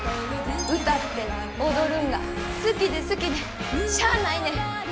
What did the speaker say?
歌って踊るんが好きで好きでしゃあないねん。